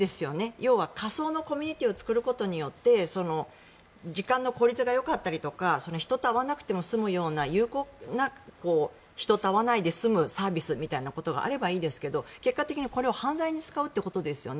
要は仮想のコミュニティーを作ることによって時間の効率がよかったりとか人と会わなくても済むような有効な人と会わないで済むサービスみたいなことがあればいいですけど結果的にこれを犯罪に使うということですよね。